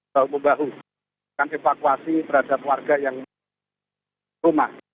bahwa membahas akan evakuasi berada warga yang rumah